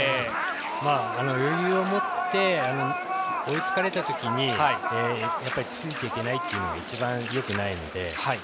余裕を持って追いつかれたときについていけないというのが一番よくないので。